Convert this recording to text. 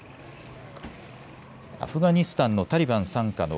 アフガニスタンのタリバン傘下の